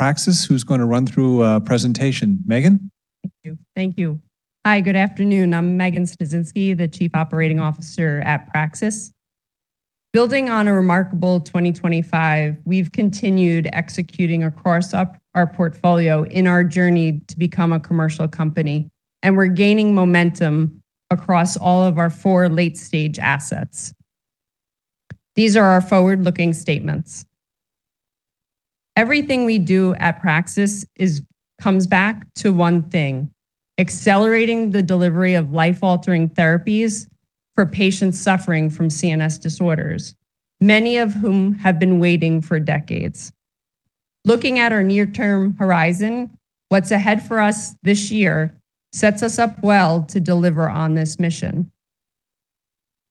Praxis, who's gonna run through a presentation. Megan? Thank you. Thank you. Hi, good afternoon. I'm Megan Sniecinski, the Chief Operating Officer at Praxis. Building on a remarkable 2025, we've continued executing across our portfolio in our journey to become a commercial company, and we're gaining momentum across all of our four late-stage assets. These are our forward-looking statements. Everything we do at Praxis comes back to one thing: accelerating the delivery of life-altering therapies for patients suffering from CNS disorders, many of whom have been waiting for decades. Looking at our near-term horizon, what's ahead for us this year sets us up well to deliver on this mission.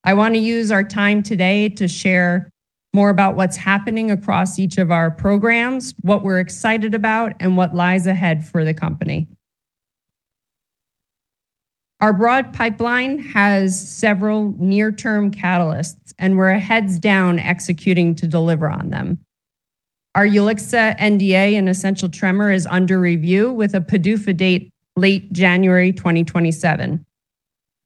I wanna use our time today to share more about what's happening across each of our programs, what we're excited about, and what lies ahead for the company. Our broad pipeline has several near-term catalysts, and we're heads down executing to deliver on them. Our Ulixa NDA and essential tremor is under review with a PDUFA date late January 2027.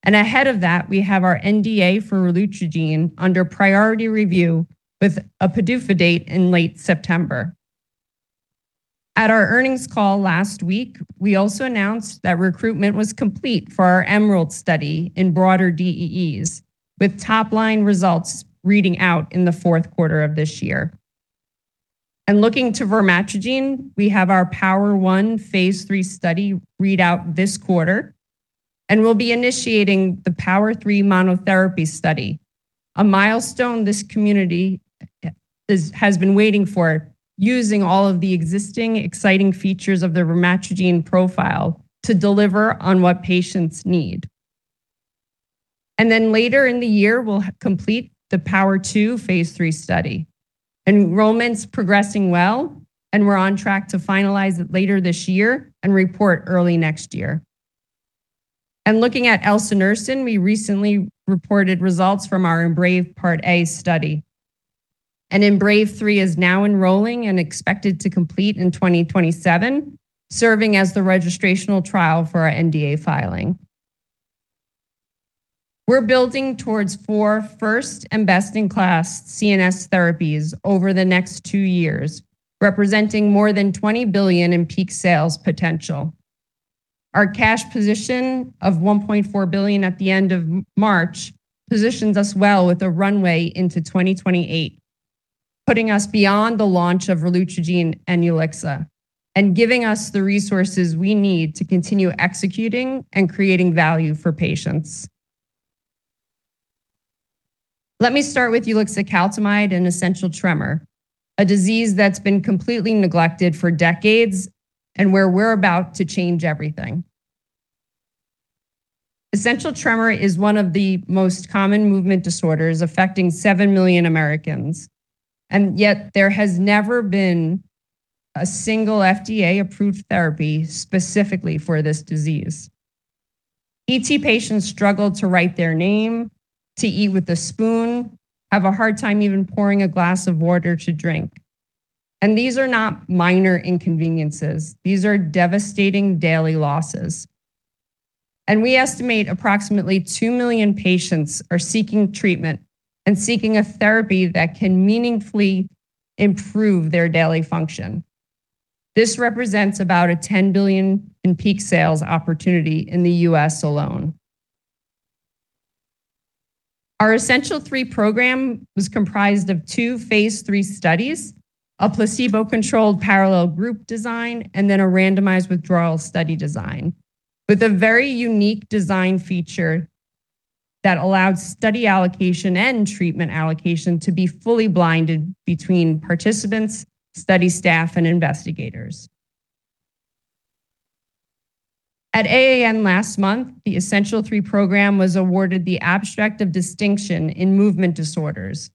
Ahead of that, we have our NDA for relutrigine under priority review with a PDUFA date in late September. At our earnings call last week, we also announced that recruitment was complete for our EMERALD study in broader DEEs, with top-line results reading out in the fourth quarter of this year. Looking to vormatrigine, we have our POWER1 phase III study readout this quarter, and we'll be initiating the POWER3 monotherapy study, a milestone this community has been waiting for, using all of the existing exciting features of the vormatrigine profile to deliver on what patients need. Later in the year, we'll complete the POWER2 phase III study. Enrollment's progressing well. We're on track to finalize it later this year and report early next year. Looking at elsunersen, we recently reported results from our EMBRAVE Part A study. EMBRAVE3 is now enrolling and expected to complete in 2027, serving as the registrational trial for our NDA filing. We're building towards four first and best-in-class CNS therapies over the next two years, representing more than $20 billion in peak sales potential. Our cash position of $1.4 billion at the end of March positions us well with a runway into 2028, putting us beyond the launch of relutrigine and Ulixa and giving us the resources we need to continue executing and creating value for patients. Let me start with ulixacaltamide and essential tremor, a disease that's been completely neglected for decades and where we're about to change everything. Essential Tremor is one of the most common movement disorders affecting 7 million Americans, and yet there has never been a single FDA-approved therapy specifically for this disease. ET patients struggle to write their name, to eat with a spoon, have a hard time even pouring a glass of water to drink. These are not minor inconveniences. These are devastating daily losses. We estimate approximately 2 million patients are seeking treatment and seeking a therapy that can meaningfully improve their daily function. This represents about a $10 billion in peak sales opportunity in the U.S. alone. Our Essential3 program was comprised of two phase III studies, a placebo-controlled parallel group design, and then a randomized withdrawal study design, with a very unique design feature that allowed study allocation and treatment allocation to be fully blinded between participants, study staff, and investigators. At AAN last month, the Essential3 program was awarded the Abstract of Distinction in Movement Disorders,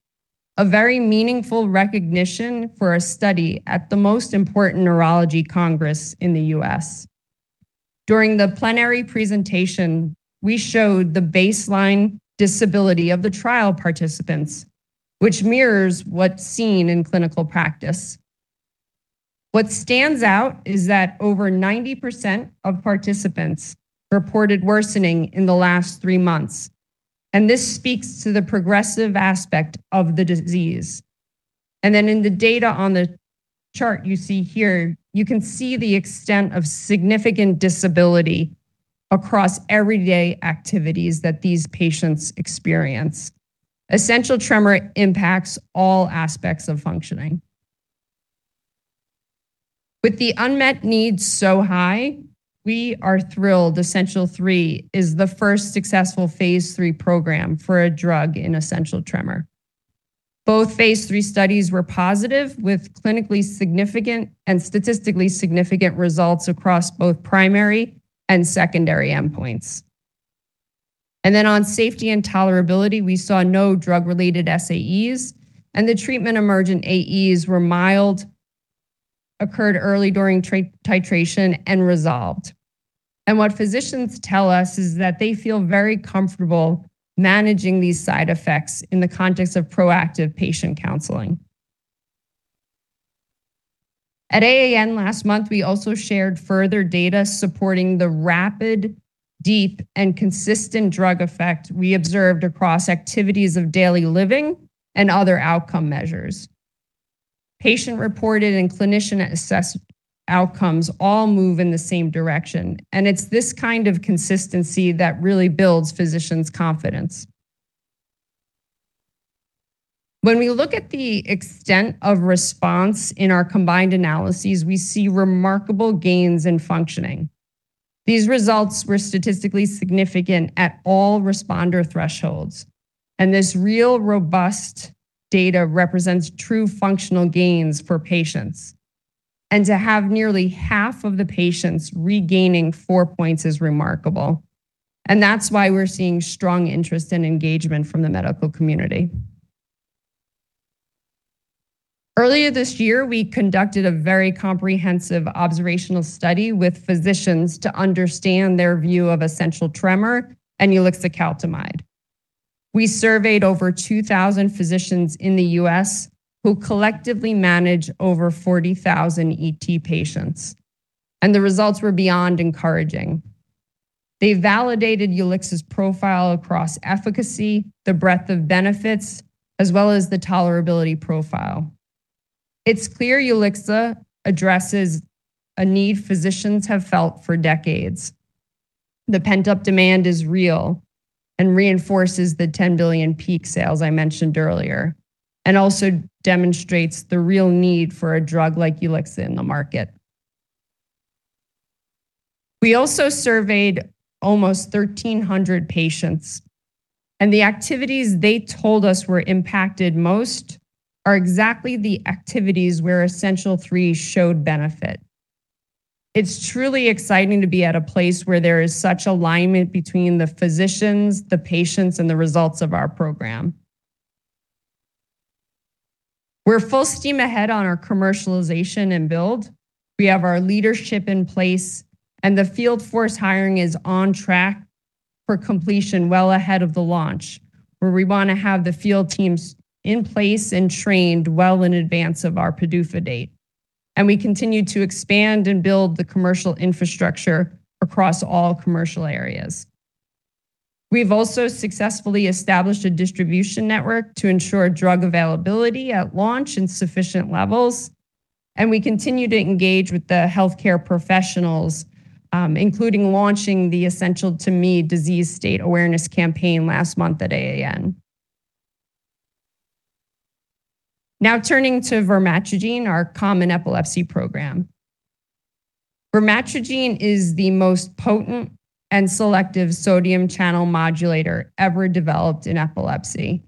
a very meaningful recognition for a study at the most important neurology congress in the U.S. During the plenary presentation, we showed the baseline disability of the trial participants, which mirrors what's seen in clinical practice. What stands out is that over 90% of participants reported worsening in the last three months. This speaks to the progressive aspect of the disease. In the data on the chart you see here, you can see the extent of significant disability across everyday activities that these patients experience. Essential tremor impacts all aspects of functioning. With the unmet needs so high, we are thrilled Essential3 is the first successful phase III program for a drug in essential tremor. Both phase III studies were positive, with clinically significant and statistically significant results across both primary and secondary endpoints. On safety and tolerability, we saw no drug-related SAEs, and the treatment-emergent AEs were mild, occurred early during titration, and resolved. What physicians tell us is that they feel very comfortable managing these side effects in the context of proactive patient counseling. At AAN last month, we also shared further data supporting the rapid, deep, and consistent drug effect we observed across activities of daily living and other outcome measures. Patient-reported and clinician-assessed outcomes all move in the same direction, it's this kind of consistency that really builds physicians' confidence. When we look at the extent of response in our combined analyses, we see remarkable gains in functioning. These results were statistically significant at all responder thresholds, this real robust data represents true functional gains for patients. To have nearly half of the patients regaining four points is remarkable, and that's why we're seeing strong interest and engagement from the medical community. Earlier this year, we conducted a very comprehensive observational study with physicians to understand their view of Essential Tremor and ulixacaltamide. We surveyed over 2,000 physicians in the U.S. who collectively manage over 40,000 ET patients, and the results were beyond encouraging. They validated Ulixa's profile across efficacy, the breadth of benefits, as well as the tolerability profile. It's clear Ulixa addresses a need physicians have felt for decades. The pent-up demand is real and reinforces the $10 billion peak sales I mentioned earlier, and also demonstrates the real need for a drug like Ulixa in the market. We also surveyed almost 1,300 patients. The activities they told us were impacted most are exactly the activities where Essential3 showed benefit. It's truly exciting to be at a place where there is such alignment between the physicians, the patients, and the results of our program. We're full steam ahead on our commercialization and build. We have our leadership in place, and the field force hiring is on track for completion well ahead of the launch, where we want to have the field teams in place and trained well in advance of our PDUFA date. We continue to expand and build the commercial infrastructure across all commercial areas. We've also successfully established a distribution network to ensure drug availability at launch in sufficient levels. We continue to engage with the healthcare professionals, including launching the ESSENTIAL to me disease state awareness campaign last month at AAN. Now turning to vormatrigine, our common epilepsy program. Vormatrigine is the most potent and selective sodium channel modulator ever developed in epilepsy.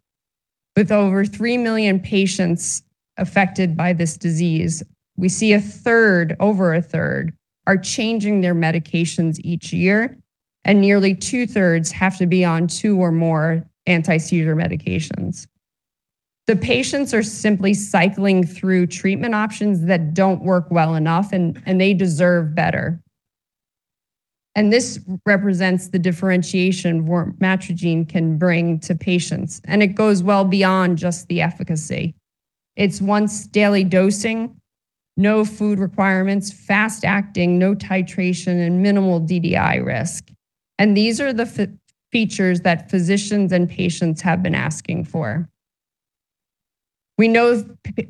With over 3 million patients affected by this disease, we see a third, over a third, are changing their medications each year. Nearly two-thirds have to be on two or more anti-seizure medications. The patients are simply cycling through treatment options that don't work well enough. They deserve better. This represents the differentiation vormatrigine can bring to patients. It goes well beyond just the efficacy. It's once-daily dosing, no food requirements, fast-acting, no titration, and minimal DDI risk. These are the features that physicians and patients have been asking for. We know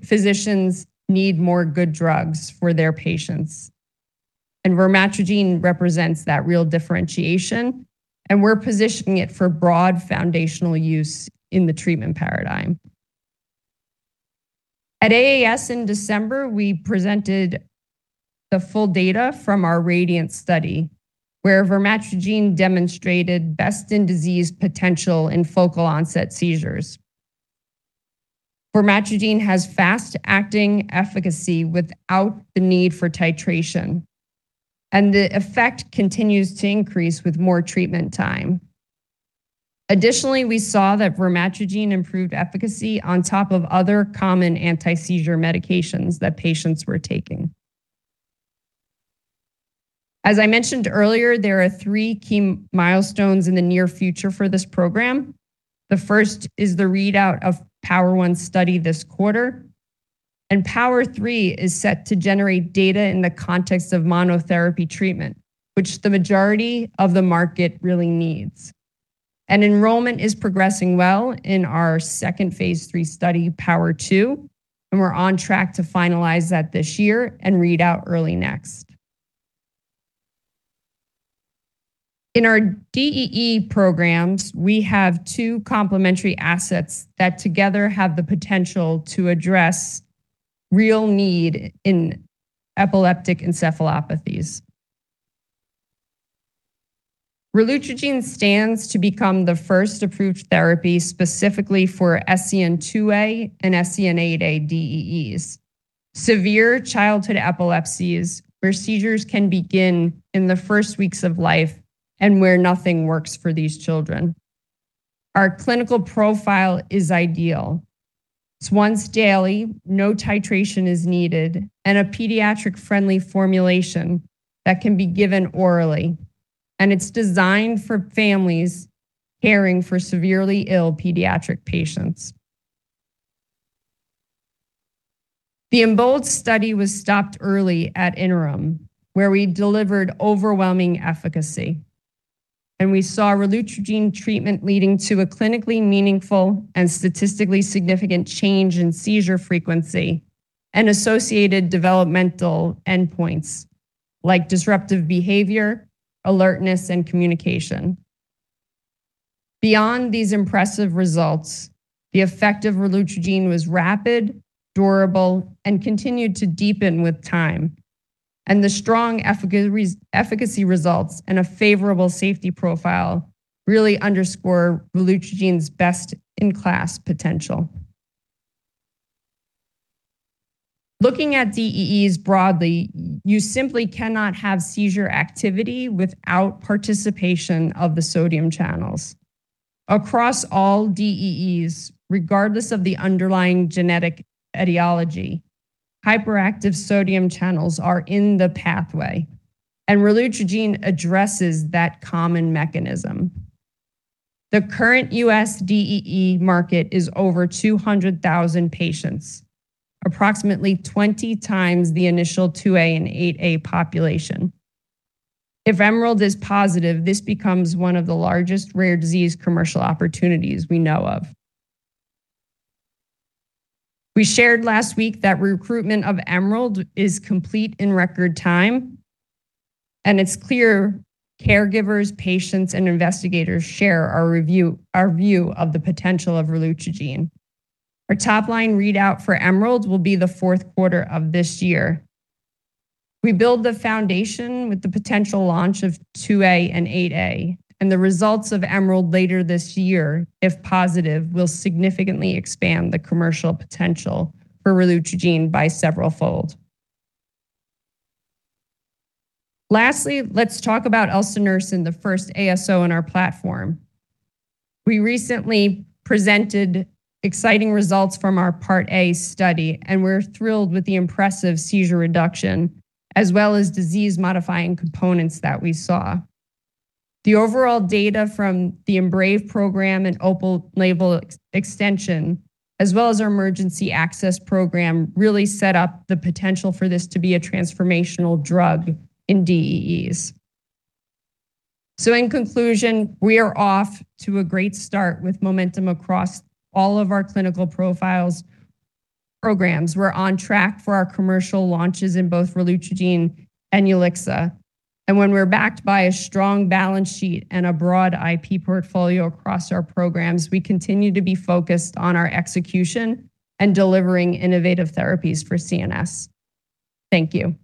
physicians need more good drugs for their patients, and vormatrigine represents that real differentiation, and we're positioning it for broad foundational use in the treatment paradigm. At AAN in December, we presented the full data from our RADIANT study, where vormatrigine demonstrated best-in-disease potential in focal onset seizures. vormatrigine has fast-acting efficacy without the need for titration, and the effect continues to increase with more treatment time. Additionally, we saw that vormatrigine improved efficacy on top of other common anti-seizure medications that patients were taking. As I mentioned earlier, there are three key milestones in the near future for this program. The first is the readout of POWER1 study this quarter. POWER3 is set to generate data in the context of monotherapy treatment, which the majority of the market really needs. Enrollment is progressing well in our second phase III study, POWER2. We're on track to finalize that this year and read out early next. In our DEE programs, we have two complementary assets that together have the potential to address real need in epileptic encephalopathies. relutrigine stands to become the first approved therapy specifically for SCN2A and SCN8A DEEs, severe childhood epilepsies where seizures can begin in the first weeks of life and where nothing works for these children. Our clinical profile is ideal. It's once daily, no titration is needed. A pediatric-friendly formulation that can be given orally. It's designed for families caring for severely ill pediatric patients. The EMBOLD study was stopped early at interim, where we delivered overwhelming efficacy, and we saw relutrigine treatment leading to a clinically meaningful and statistically significant change in seizure frequency and associated developmental endpoints like disruptive behavior, alertness, and communication. Beyond these impressive results, the effect of relutrigine was rapid, durable, and continued to deepen with time. The strong efficacy results and a favorable safety profile really underscore relutrigine's best-in-class potential. Looking at DEEs broadly, you simply cannot have seizure activity without participation of the sodium channels. Across all DEEs, regardless of the underlying genetic etiology, hyperactive sodium channels are in the pathway, and relutrigine addresses that common mechanism. The current U.S. DEE market is over 200,000 patients, approximately 20 times the initial 2A and 8A population. If EMERALD is positive, this becomes one of the largest rare disease commercial opportunities we know of. We shared last week that recruitment of EMERALD is complete in record time, and it's clear caregivers, patients, and investigators share our view of the potential of relutrigine. Our top-line readout for EMERALD will be the fourth quarter of this year. We build the foundation with the potential launch of 2A and 8A, and the results of EMERALD later this year, if positive, will significantly expand the commercial potential for relutrigine by severalfold. Let's talk about elsunersen, the first ASO in our platform. We recently presented exciting results from our Part A study, and we're thrilled with the impressive seizure reduction, as well as disease-modifying components that we saw. The overall data from the EMBRAVE program and open label ex-extension, as well as our emergency access program, really set up the potential for this to be a transformational drug in DEEs. In conclusion, we are off to a great start with momentum across all of our clinical profiles programs. We're on track for our commercial launches in both relutrigine and Ulixa. When we're backed by a strong balance sheet and a broad IP portfolio across our programs, we continue to be focused on our execution and delivering innovative therapies for CNS. Thank you.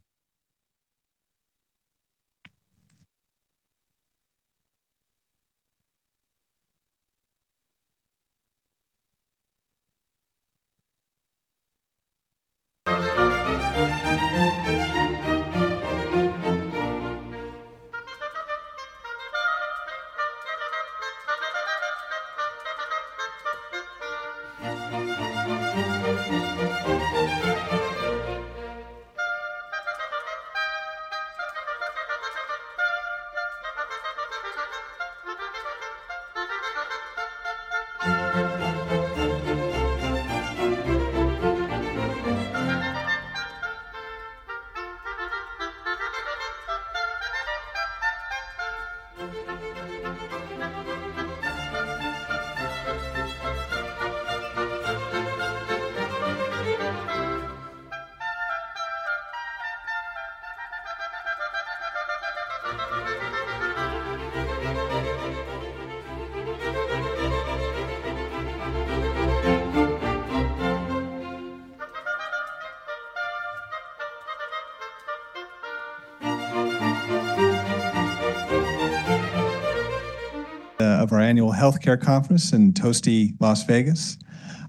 Of our annual healthcare conference in toasty Las Vegas.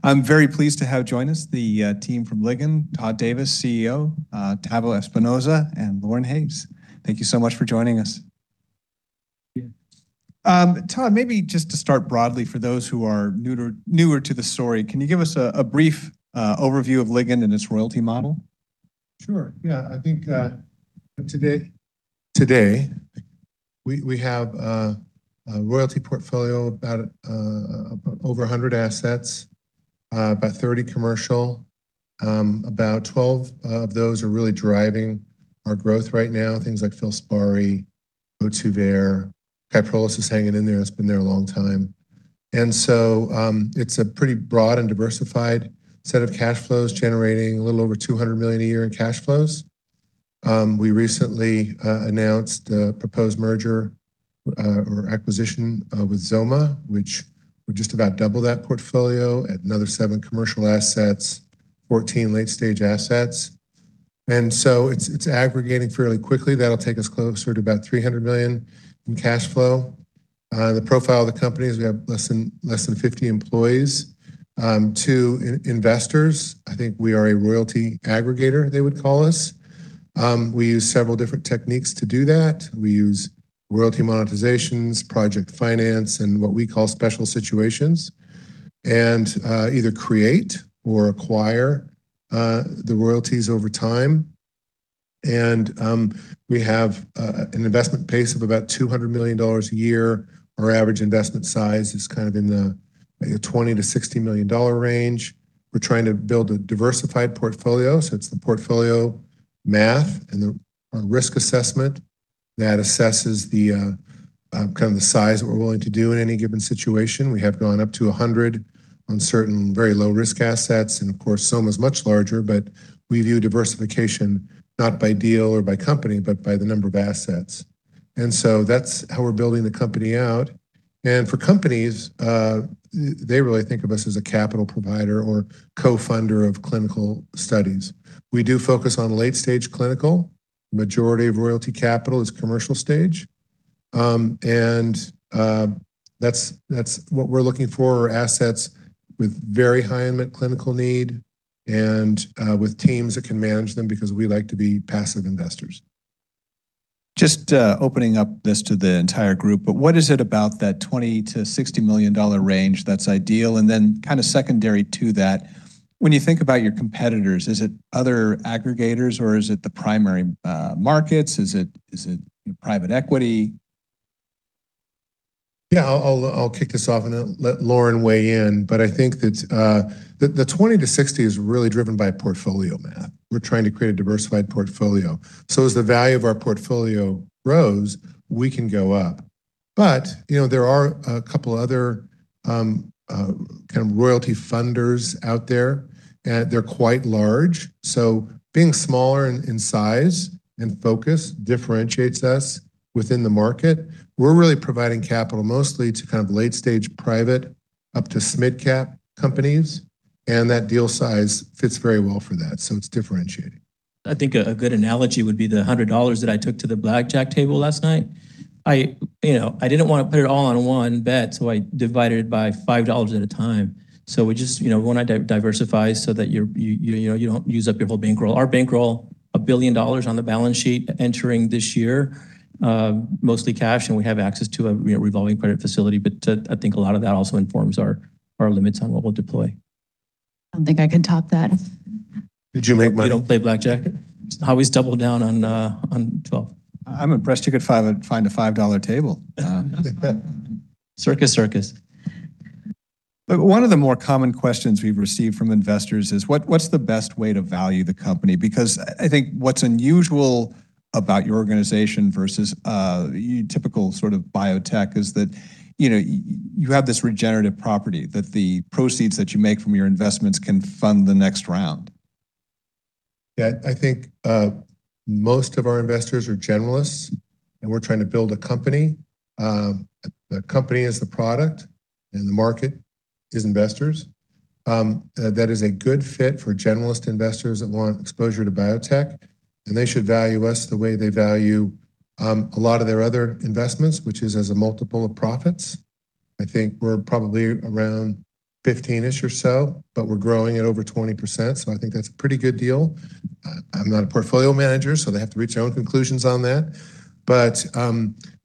I'm very pleased to have join us the team from Ligand, Todd Davis, CEO, Tavo Espinoza, and Lauren Hay. Thank you so much for joining us. Yeah. Todd, maybe just to start broadly for those who are newer to the story, can you give us a brief overview of Ligand and its royalty model? Sure. Yeah. I think today we have a royalty portfolio about over 100 assets, about 30 commercial. About 12 of those are really driving our growth right now. Things like FILSPARI, OHTUVAYRE. KYPROLIS is hanging in there. It's been there a long time. It's a pretty broad and diversified set of cash flows generating a little over $200 million a year in cash flows. We recently announced a proposed merger or acquisition with XOMA, which would just about double that portfolio at another seven commercial assets, 14 late-stage assets. It's aggregating fairly quickly. That'll take us closer to about $300 million in cash flow. The profile of the company is we have less than 50 employees. To investors, I think we are a royalty aggregator, they would call us. We use several different techniques to do that. We use royalty monetizations, project finance, and what we call special situations. Either create or acquire the royalties over time. We have an investment pace of about $200 million a year. Our average investment size is kind of in the $20 million-$60 million range. We're trying to build a diversified portfolio, so it's the portfolio math and the our risk assessment that assesses the kind of the size that we're willing to do in any given situation. We have gone up to 100 on certain very low-risk assets, and of course, some is much larger. We view diversification not by deal or by company, but by the number of assets. That's how we're building the company out. For companies, they really think of us as a capital provider or co-funder of clinical studies. We do focus on late-stage clinical. Majority of royalty capital is commercial stage. That's what we're looking for, are assets with very high unmet clinical need and with teams that can manage them because we like to be passive investors. Just opening up this to the entire group, but what is it about that $20 million-$60 million range that's ideal? And then kind of secondary to that, when you think about your competitors, is it other aggregators, or is it the primary markets? Is it, is it private equity? Yeah, I'll kick this off and then let Lauren weigh in. I think that the 20-60 is really driven by portfolio math. We're trying to create a diversified portfolio. As the value of our portfolio grows, we can go up. You know, there are a couple other kind of royalty funders out there, and they're quite large. Being smaller in size and focus differentiates us within the market. We're really providing capital mostly to kind of late-stage private, up to mid-cap companies, and that deal size fits very well for that, so it's differentiating. I think a good analogy would be the $100 that I took to the blackjack table last night. I, you know, I didn't want to put it all on one bet, so I divided it by $5 at a time. We just, you know, want to diversify so that you know, you don't use up your whole bankroll. Our bankroll, $1 billion on the balance sheet entering this year, mostly cash, and we have access to a, you know, revolving credit facility. I think a lot of that also informs our limits on what we'll deploy. I don't think I can top that. Did you make money? You don't play blackjack? I always double down on 12. I'm impressed you could find a $5 table. Circus Circus. One of the more common questions we've received from investors is what's the best way to value the company? I think what's unusual about your organization versus a typical sort of biotech is that, you know, you have this regenerative property, that the proceeds that you make from your investments can fund the next round. Yeah, I think most of our investors are generalists, and we're trying to build a company. The company is the product, and the market is investors. That is a good fit for generalist investors that want exposure to biotech, and they should value us the way they value a lot of their other investments, which is as a multiple of profits. I think we're probably around 15-ish or so, but we're growing at over 20%, so I think that's a pretty good deal. I'm not a portfolio manager, so they have to reach their own conclusions on that.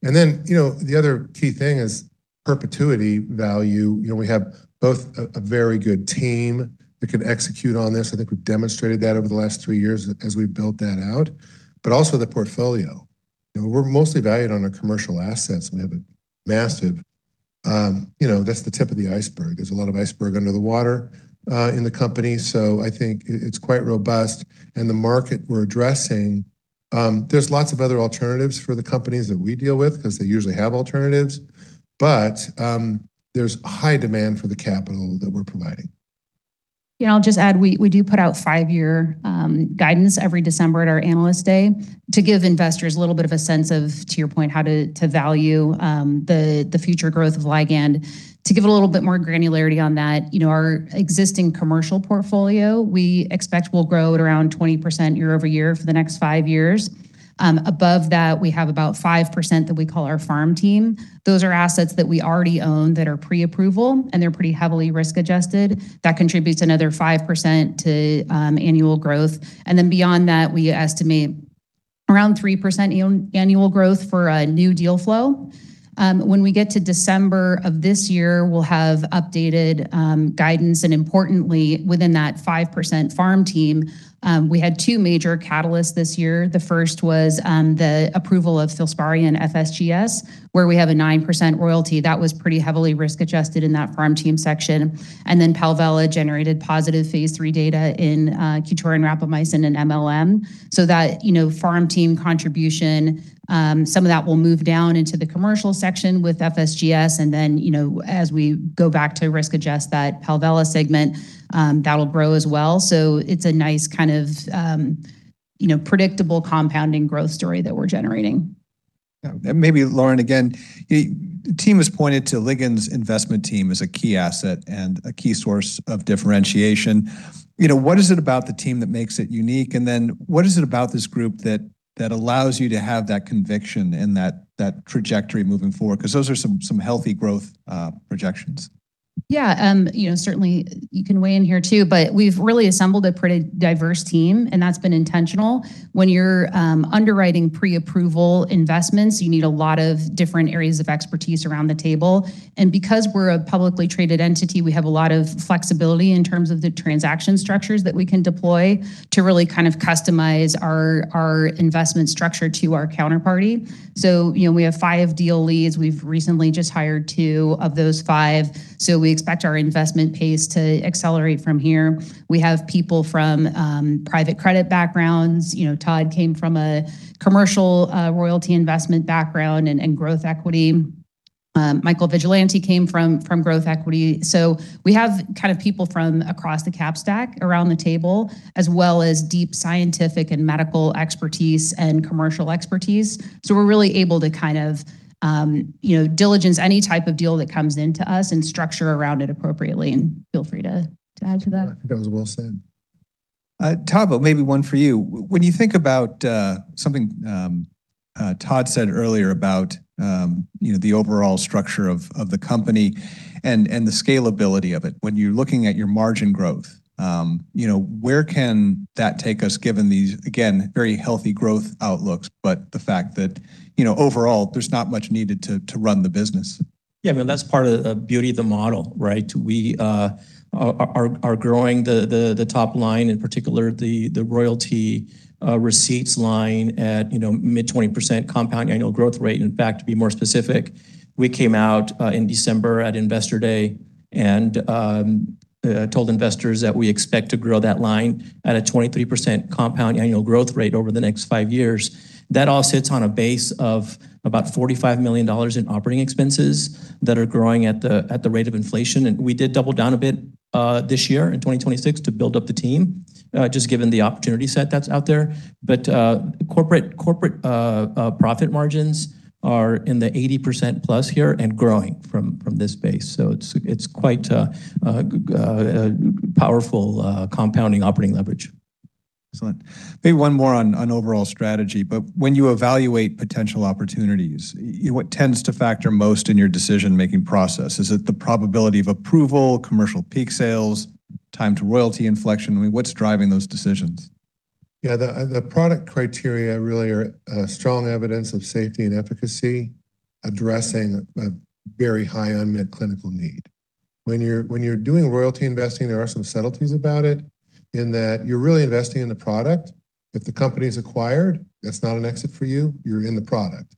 You know, the other key thing is perpetuity value. You know, we have both a very good team that can execute on this. I think we've demonstrated that over the last three years as we've built that out. Also the portfolio. You know, we're mostly valued on our commercial assets. You know, that's the tip of the iceberg. There's a lot of iceberg under the water in the company, so I think it's quite robust. The market we're addressing, there's lots of other alternatives for the companies that we deal with because they usually have alternatives. There's high demand for the capital that we're providing. I'll just add, we do put out five-year guidance every December at our Analyst Day to give investors a little bit of a sense of, to your point, how to value the future growth of Ligand. To give it a little bit more granularity on that, you know, our existing commercial portfolio, we expect will grow at around 20% year over year for the next five years. Above that, we have about 5% that we call our farm team. Those are assets that we already own that are pre-approval, and they're pretty heavily risk-adjusted. That contributes another 5% to annual growth. Beyond that, we estimate around 3% annual growth for a new deal flow. When we get to December of this year, we'll have updated guidance. Importantly, within that 5% farm team, we had two major catalysts this year. The first was the approval of FILSPARI and FSGS, where we have a 9% royalty. That was pretty heavily risk-adjusted in that farm team section. Then Palvella generated positive phase III data in QTORIN rapamycin and MLM. That, you know, farm team contribution, some of that will move down into the commercial section with FSGS. Then, you know, as we go back to risk-adjust that Palvella segment, that'll grow as well. It's a nice kind of, you know, predictable compounding growth story that we're generating. Yeah. Maybe, Lauren, again, the team has pointed to Ligand's investment team as a key asset and a key source of differentiation. You know, what is it about the team that makes it unique? What is it about this group that allows you to have that conviction and that trajectory moving forward? 'Cause those are some healthy growth projections. Yeah, you know, certainly you can weigh in here too, but we've really assembled a pretty diverse team. That's been intentional. When you're underwriting pre-approval investments, you need a lot of different areas of expertise around the table. Because we're a publicly traded entity, we have a lot of flexibility in terms of the transaction structures that we can deploy to really kind of customize our investment structure to our counterparty. You know, we have five deal leads. We've recently just hired two of those five, we expect our investment pace to accelerate from here. We have people from private credit backgrounds. You know, Todd came from a commercial royalty investment background and growth equity. Michael Vigilante came from growth equity. We have kind of people from across the cap stack around the table, as well as deep scientific and medical expertise and commercial expertise. We're really able to kind of, you know, diligence any type of deal that comes into us and structure around it appropriately. Feel free to add to that. I think that was well said. Tavo, maybe one for you. When you think about something Todd said earlier about, you know, the overall structure of the company and the scalability of it, when you're looking at your margin growth, you know, where can that take us given these, again, very healthy growth outlooks, but the fact that, you know, overall there's not much needed to run the business? Yeah, I mean, that's part of the beauty of the model, right? We are growing the top line, in particular the royalty receipts line at, you know, mid 20% compound annual growth rate. In fact, to be more specific, we came out in December at Investor Day and told investors that we expect to grow that line at a 23% compound annual growth rate over the next five years. That all sits on a base of about $45 million in operating expenses that are growing at the rate of inflation. We did double down a bit this year in 2026 to build up the team just given the opportunity set that's out there. Corporate profit margins are in the 80% plus here and growing from this base. It's quite powerful compounding operating leverage. Excellent. Maybe one more on overall strategy, but when you evaluate potential opportunities, what tends to factor most in your decision-making process? Is it the probability of approval, commercial peak sales, time to royalty inflection? I mean, what's driving those decisions? Yeah. The product criteria really are strong evidence of safety and efficacy addressing a very high unmet clinical need. When you're doing royalty investing, there are some subtleties about it in that you're really investing in the product. If the company's acquired, that's not an exit for you're in the product.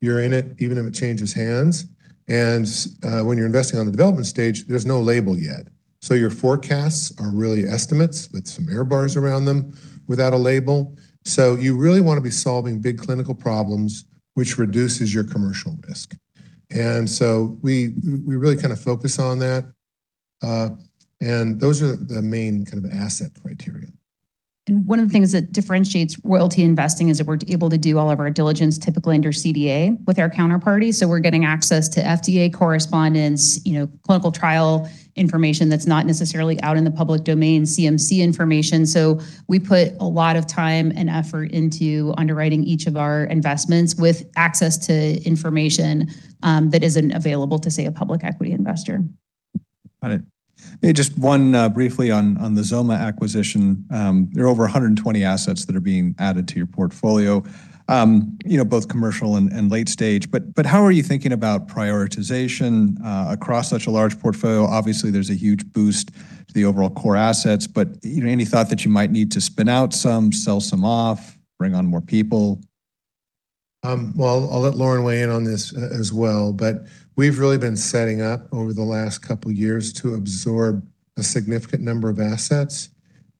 You're in it even if it changes hands. When you're investing on the development stage, there's no label yet. Your forecasts are really estimates with some error bars around them without a label. You really wanna be solving big clinical problems, which reduces your commercial risk. We really kind of focus on that. Those are the main kind of asset criteria. One of the things that differentiates royalty investing is that we're able to do all of our diligence, typically under CDA with our counterparties. We're getting access to FDA correspondence, you know, clinical trial information that's not necessarily out in the public domain, CMC information. We put a lot of time and effort into underwriting each of our investments with access to information that isn't available to, say, a public equity investor. Got it. Maybe just one briefly on the XOMA acquisition. There are over 120 assets that are being added to your portfolio, you know, both commercial and late stage, but how are you thinking about prioritization across such a large portfolio? Obviously, there's a huge boost to the overall core assets, you know, any thought that you might need to spin out some, sell some off, bring on more people? Well, I'll let Lauren weigh in on this as well, but we've really been setting up over the last couple years to absorb a significant number of assets.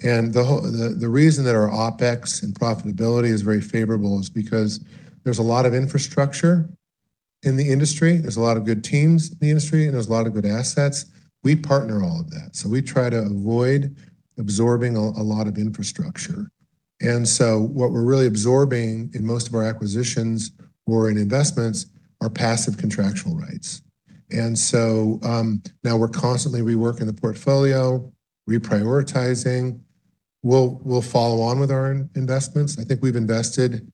The reason that our OpEx and profitability is very favorable is because there's a lot of infrastructure in the industry, there's a lot of good teams in the industry, and there's a lot of good assets. We partner all of that. We try to avoid absorbing a lot of infrastructure. What we're really absorbing in most of our acquisitions or in investments are passive contractual rights. Now we're constantly reworking the portfolio, reprioritizing. We'll follow on with our investments. I think we've invested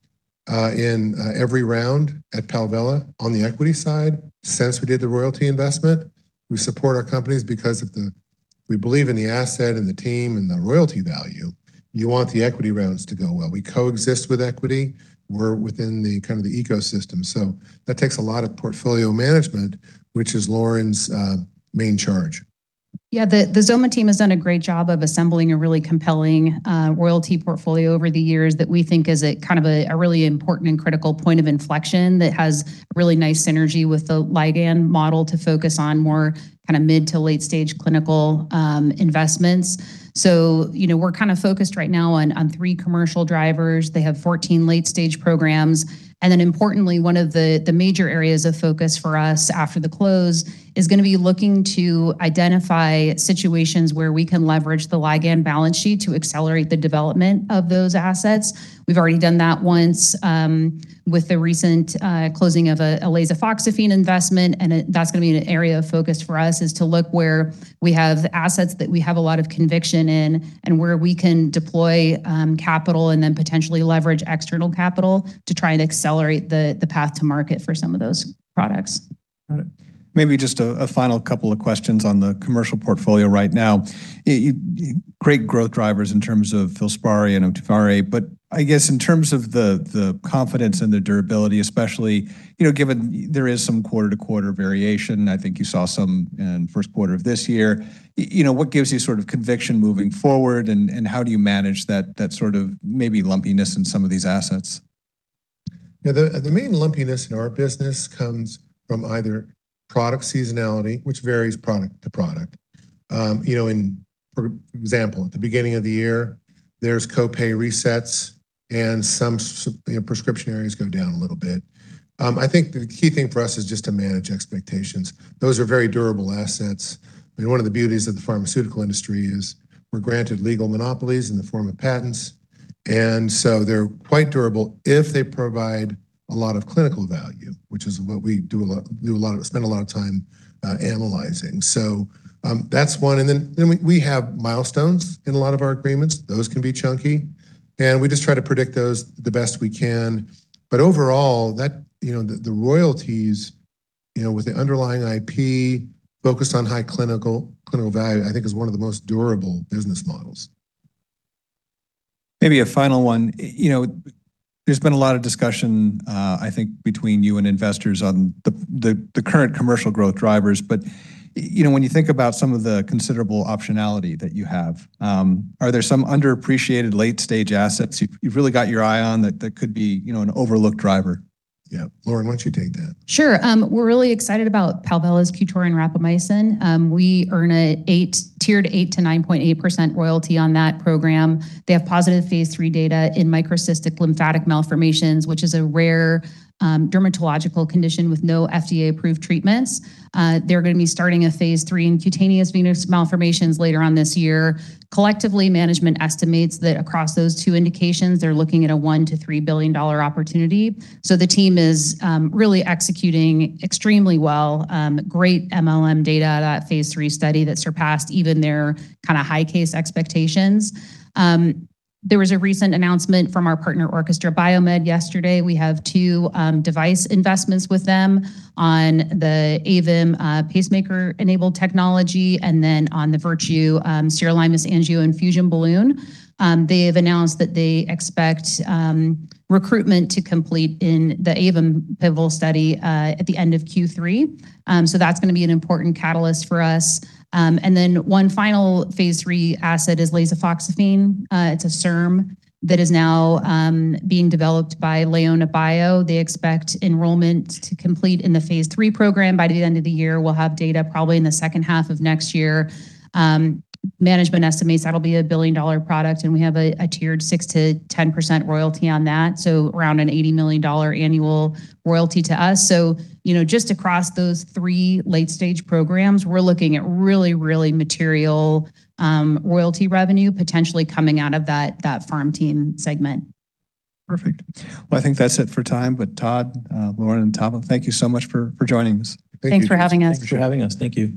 in every round at Palvella on the equity side since we did the royalty investment. We support our companies because we believe in the asset and the team and the royalty value. You want the equity rounds to go well. We coexist with equity. We're within the kind of the ecosystem. That takes a lot of portfolio management, which is Lauren's main charge. Yeah. The XOMA team has done a great job of assembling a really compelling royalty portfolio over the years that we think is a kind of a really important and critical point of inflection that has really nice synergy with the Ligand model to focus on more kinda mid to late-stage clinical investments. You know, we're kinda focused right now on three commercial drivers. They have 14 late-stage programs. Importantly, one of the major areas of focus for us after the close is gonna be looking to identify situations where we can leverage the Ligand balance sheet to accelerate the development of those assets. We've already done that once, with the recent, closing of a elafibranor investment, and that's gonna be an area of focus for us, is to look where we have assets that we have a lot of conviction in and where we can deploy, capital and then potentially leverage external capital to try and accelerate the path to market for some of those products. Got it. Maybe just a final couple of questions on the commercial portfolio right now. Great growth drivers in terms of FILSPARI and OHTUVAYRE, but I guess in terms of the confidence and the durability, especially, you know, given there is some quarter-to-quarter variation, I think you saw some in first quarter of this year. You know, what gives you sort of conviction moving forward and how do you manage that sort of maybe lumpiness in some of these assets? The main lumpiness in our business comes from either product seasonality, which varies product to product. You know, in for example, at the beginning of the year, there's copay resets and some prescription areas go down a little bit. I think the key thing for us is just to manage expectations. Those are very durable assets. One of the beauties of the pharmaceutical industry is we're granted legal monopolies in the form of patents. They're quite durable if they provide a lot of clinical value, which is what we spend a lot of time analyzing. That's one. Then we have milestones in a lot of our agreements. Those can be chunky. We just try to predict those the best we can. Overall, that, you know, the royalties, you know, with the underlying IP focused on high clinical value, I think is one of the most durable business models. Maybe a final one. You know, there's been a lot of discussion, I think between you and investors on the current commercial growth drivers. You know, when you think about some of the considerable optionality that you have, are there some underappreciated late-stage assets you've really got your eye on that could be, you know, an overlooked driver? Yeah. Lauren, why don't you take that? Sure. We're really excited about Palvella's QTORIN rapamycin. We earn a tiered 8%-9.8% royalty on that program. They have positive phase III data in microcystic lymphatic malformations, which is a rare dermatological condition with no FDA-approved treatments. They're gonna be starting a phase III in cutaneous venous malformations later on this year. Collectively, management estimates that across those two indications, they're looking at a $1 billion-$3 billion opportunity. The team is really executing extremely well. Great MLM data, that phase III study that surpassed even their kinda high case expectations. There was a recent announcement from our partner, Orchestra BioMed, yesterday. We have two device investments with them on the AVIM pacemaker-enabled technology and then on the Virtue Sirolimus AngioInfusion Balloon. They've announced that they expect recruitment to complete in the AVIM pivotal study at the end of Q3. One final phase III asset is lasofoxifene. It's a SERM that is now being developed by LeonaBio. They expect enrollment to complete in the phase III program by the end of the year. We'll have data probably in the second half of next year. Management estimates that'll be a $1 billion product, and we have a tiered 6%-10% royalty on that, so around an $80 million annual royalty to us. You know, just across those three late-stage programs, we're looking at really, really material royalty revenue potentially coming out of that farm team segment. Perfect. Well, I think that's it for time. Todd, Lauren, and Tavo, thank you so much for joining us. Thanks for having us. Thanks for having us. Thank you.